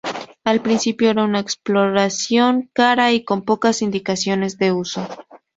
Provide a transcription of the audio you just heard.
Al principio era una exploración cara y con pocas indicaciones de uso.